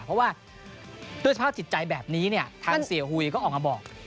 เพราะว่าด้วยสภาพจิตใจแบบนี้เนี่ยทางเสียหุยก็ออกมาบอก